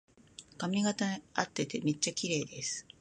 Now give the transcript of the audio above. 髪型にあっててめっちゃきれいです